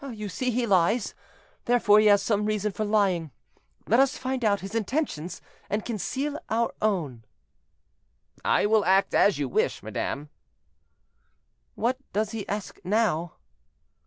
"You see he lies; therefore, he has some reason for lying. Let us find out his intentions, and conceal our own." "I will act as you wish, madame." "What does he ask now?"